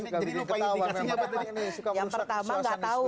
yang pertama tidak tahu